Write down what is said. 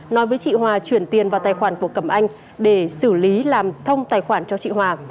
nói với chị hòa chuyển tiền vào tài khoản của cẩm anh để xử lý làm thông tài khoản cho chị hòa